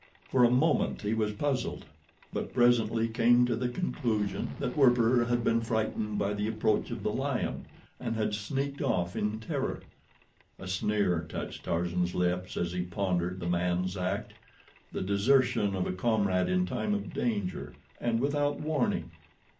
For a moment he was puzzled; but presently came to the conclusion that Werper had been frightened by the approach of the lion, and had sneaked off in terror. A sneer touched Tarzan's lips as he pondered the man's act—the desertion of a comrade in time of danger, and without warning.